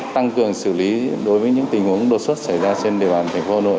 tăng cường xử lý đối với những tình huống đột xuất xảy ra trên địa bàn thành phố hà nội